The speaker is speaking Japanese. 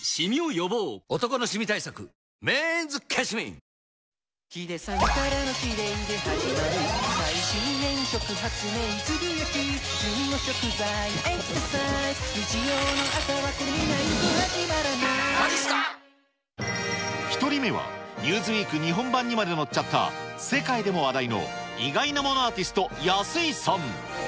今回はその中でも、１人目は、ニューズウィーク日本版にまで載っちゃった、世界でも話題の意外なものアーティスト、安居さん。